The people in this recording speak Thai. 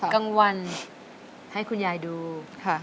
กลางวันให้คุณยายดูค่ะ